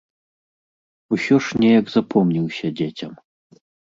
Усё ж неяк запомніўся дзецям.